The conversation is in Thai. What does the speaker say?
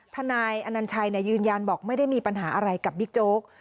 นายอนัญชัยยืนยันบอกไม่ได้มีปัญหาอะไรกับบิ๊กโจ๊ก